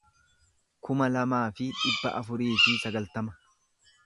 kuma lamaa fi dhibba afurii fi sagaltama